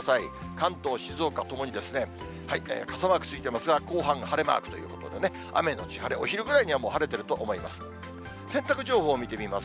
関東、静岡ともに傘マークついていますが、後半、晴れマークということで、雨のち晴れ、お昼ぐらいには晴れてると思います。